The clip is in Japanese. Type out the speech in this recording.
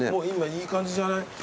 今いい感じじゃない？